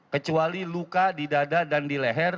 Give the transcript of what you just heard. kecuali luka di dada dan di leher